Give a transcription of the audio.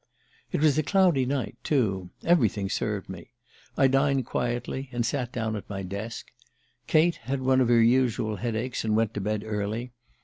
"It was a cloudy night, too everything served me. I dined quietly, and sat down at my desk. Kate had one of her usual headaches, and went to bed early.